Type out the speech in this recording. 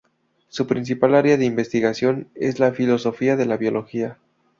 Su principal área de investigación es la filosofía de la biología.